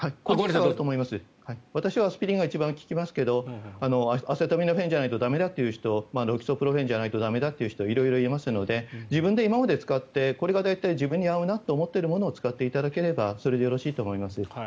私はアスピリンが一番効きますがアセトアミノフェンじゃないと駄目だっていう人ロキソプロフェンじゃないと駄目だっていう人色々いますので自分で今まで使ってこれが自分に合うなというものを使っていただければそれでよろしいと思います。